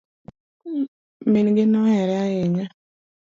Min gi nohere ahinya